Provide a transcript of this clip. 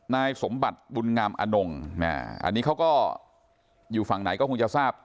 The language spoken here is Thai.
นายสมบัติบุญงามอนงอันนี้เขาก็อยู่ฝั่งไหนก็คงจะทราบ